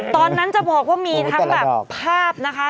ตอนนั้นจะบอกว่ามีทั้งแบบภาพนะคะ